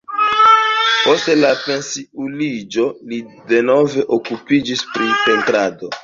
Post la pensiuliĝo li denove okupiĝis pri pentrado.